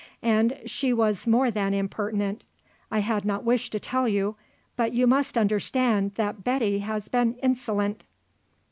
And she was more than impertinent. I had not wished to tell you; but you must understand that Betty has been insolent."